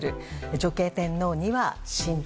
女系天皇には慎重。